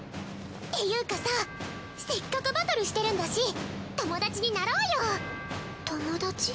ていうかさせっかくバトルしてるんだし友達になろうよ！